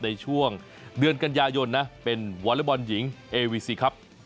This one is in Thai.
ในช่วงเดือนกันยายนนะเป็นวอเล็กบอลหญิงเอวีซีครับ